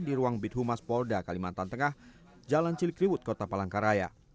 di ruang bit humas polda kalimantan tengah jalan cilikriwut kota palangkaraya